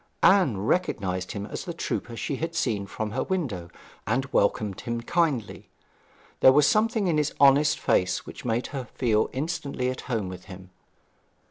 Anne recognized him as the trooper she had seen from her window, and welcomed him kindly. There was something in his honest face which made her feel instantly at home with him.